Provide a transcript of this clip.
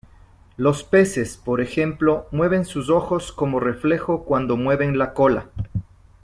Los peces, por ejemplo, mueven sus ojos como reflejo cuando mueven la cola.